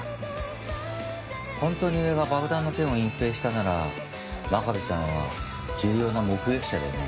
本当に上が爆弾の件を隠蔽したなら真壁ちゃんは重要な目撃者だよね。